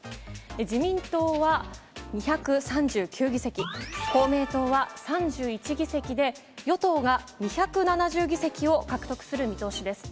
自民党は２３９議席、公明党は３１議席で、与党が２７０議席を獲得する見通しです。